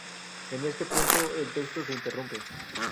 En este punto el texto se interrumpe.